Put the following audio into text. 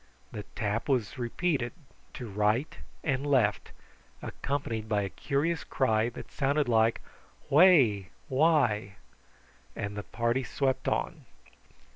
The tap was repeated to right and left, accompanied by a curious cry that sounded like "Whai why!" and the party swept on.